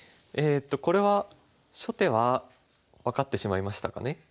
これは初手は分かってしまいましたかね。